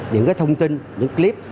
những cái thông tin những clip